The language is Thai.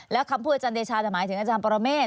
แล้วคำพูดอาจารย์เดชาจะหมายถึงอาจารย์ปรเมฆ